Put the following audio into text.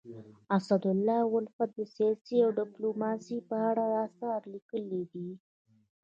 اسدالله الفت د سیاست او ډيپلوماسی په اړه اثار لیکلي دي.